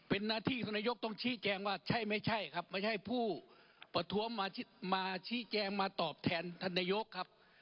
เป็นหน้าที่สุนโยคต้องชี้แจงว่าใช่หรือไม่ใช่ไม่ใช่พูประทวมมาชี้แจงมาตอบแทนท่านโยคครับ